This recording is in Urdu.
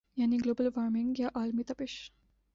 یعنی گلوبل وارمنگ یا عالمی تپش